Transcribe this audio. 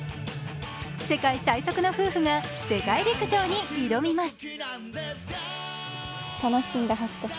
世界最速の夫婦が世界陸上に挑みます。